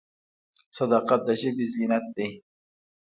صداقت د ژبې زینت دی.